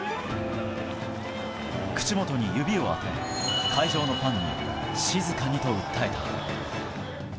口元に指を当て、会場のファンに静かにと訴えた。